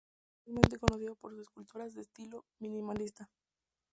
Es especialmente conocido por sus esculturas de estilo minimalista.